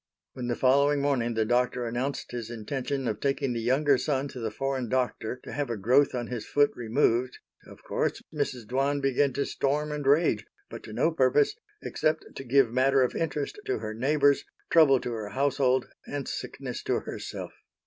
When the following morning the Doctor announced his intention of taking the younger son to the foreign Doctor to have a growth on his foot removed, of course, Mrs. Dwan began to storm and rage but to no purpose, except to give matter of interest to her neighbors, trouble to her household, and sickness to herself.